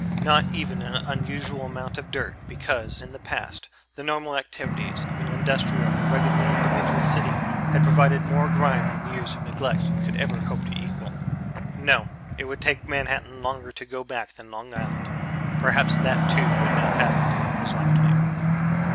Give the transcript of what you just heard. Not even an unusual amount of dirt because, in the past, the normal activities of an industrial and ruggedly individual city had provided more grime than years of neglect could ever hope to equal. No, it would take Manhattan longer to go back than Long Island. Perhaps that too would not happen during his lifetime.